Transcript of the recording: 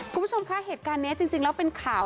คุณผู้ชมคะเหตุการณ์นี้จริงแล้วเป็นข่าว